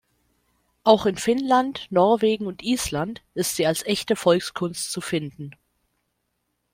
Auch in Finnland, Norwegen und Island ist sie als echte Volkskunst zu finden.